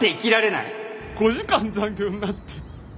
５時間残業になって。